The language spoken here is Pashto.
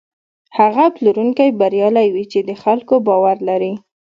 هغه پلورونکی بریالی وي چې د خلکو باور لري.